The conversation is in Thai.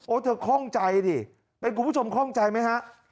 เธอคล่องใจดิเป็นคุณผู้ชมคล่องใจไหมฮะ